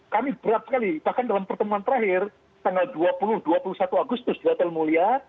kami berat sekali bahkan dalam pertemuan terakhir tanggal dua puluh dua puluh satu agustus di hotel mulia